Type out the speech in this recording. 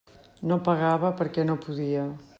No pagava perquè no podia.